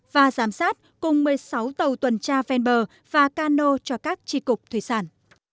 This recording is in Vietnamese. và giám sát cùng một mươi sáu tàu tuần tra ven bờ và cano cho các tri cục thủy sản